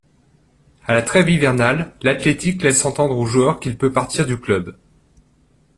À la trêve hivernale, l'Athletic laisse entendre au joueur qu'il peut partir du club.